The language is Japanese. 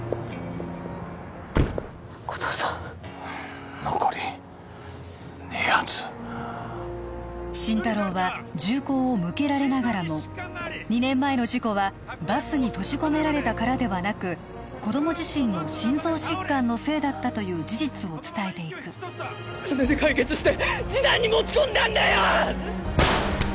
護道さん残り２発心太朗は銃口を向けられながらも２年前の事故はバスに閉じ込められたからではなく子供自身の心臓疾患のせいだったという事実を伝えていく金で解決して示談に持ち込んだんだよ！